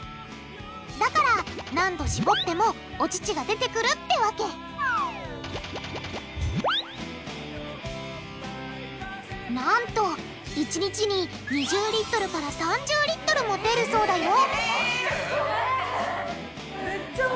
だから何度しぼってもお乳が出てくるってわけなんと１日に２０リットルから３０リットルも出るそうだよ！